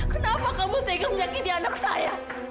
kenapa kamu tega menyakiti anak saya